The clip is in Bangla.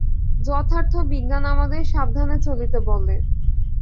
যথার্থ বিজ্ঞান আমাদের সাবধানে চলিতে বলে।